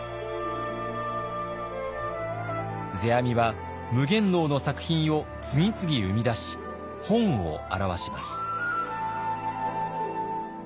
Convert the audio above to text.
世阿弥は夢幻能の作品を次々生み出し本を著します。